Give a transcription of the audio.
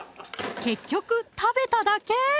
結局食べただけ！